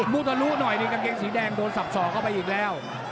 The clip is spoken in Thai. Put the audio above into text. บูตรลุ่นหน่อยในกางเกงสีแดงโดนสับส่อก็เองแล้ว